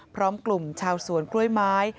พร้อมกลุ่มชาวสวนกล้วยไม้